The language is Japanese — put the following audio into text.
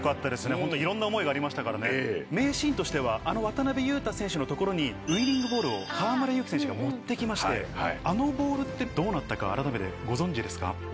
いろんな思いがありましたから、名シーンとしてはあの渡邊雄太選手のところにウイニングボールを河村勇輝選手が持っていきまして、あのボールってどうなったか、改めてご存じですか？